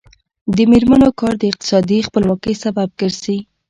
د میرمنو کار د اقتصادي خپلواکۍ سبب ګرځي.